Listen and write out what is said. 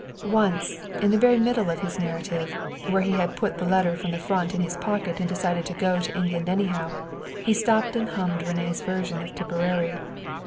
Once, in the very middle of his narrative, where he had put the letter from the Front in his pocket and decided to go to England anyhow, he stopped and hummed René's version of Tipperary.